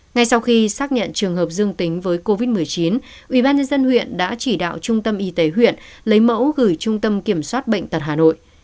ngay sau khi xác nhận trường hợp dương tính với covid một mươi chín ủy ban nhân dân huyện đã chỉ đạo trung tâm y tế huyện lấy mẫu gửi trung tâm kiểm soát bệnh tật hà nội